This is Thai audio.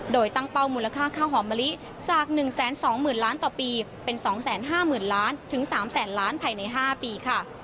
โดยตั้งเป้ามูลค่าข้าวหอมมะลิจาก๑๒๐๐๐ล้านต่อปีเป็น๒๕๐๐๐ล้านถึง๓แสนล้านภายใน๕ปีค่ะ